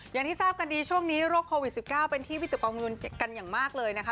อย่างที่ทราบกันดีช่วงนี้โรคโควิด๑๙เป็นที่วิตกกังวลกันอย่างมากเลยนะคะ